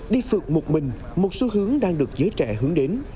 đi phượt một mình một xu hướng đang được giới trẻ hướng đến